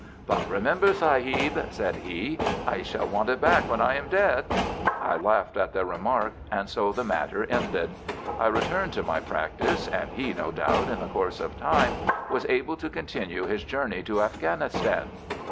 'But remember, sahib,' said he, 'I shall want it back when I am dead.' I laughed at the remark, and so the matter ended. I returned to my practice, and he no doubt in the course of time was able to continue his journey to Afghanistan.